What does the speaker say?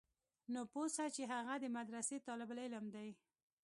نو پوه سه چې هغه د مدرسې طالب العلم دى.